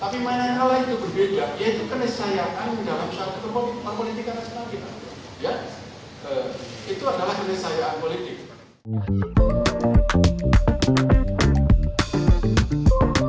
tapi mainan hal itu berbeda yaitu kenesayaan dalam suatu keputusan politik